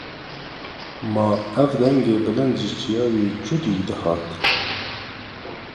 Ma, ev dengê bilind ji çiyayê Cûdî dihat ?